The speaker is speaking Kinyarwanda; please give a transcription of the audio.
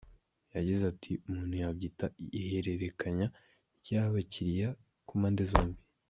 Yagize ati ‘‘Umuntu yabyita ihererekanya ry’abakiliya ku mpande zombi.